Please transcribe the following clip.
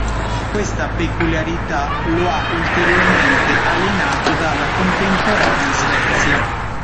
Questa peculiarità lo ha ulteriormente alienato dalla contemporanea Svezia.